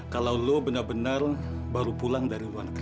kalau lo benar benar baru pulang dari luar negeri